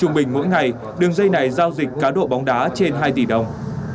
trung bình mỗi ngày đường dây này giao dịch cá độ bóng đá trên hai tỷ đồng